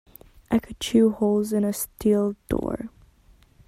I could chew holes in a steel door.